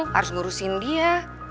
harus ngurusin dia